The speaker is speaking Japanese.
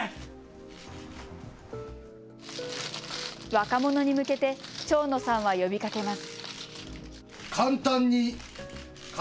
若者に向けて蝶野さんは呼びかけます。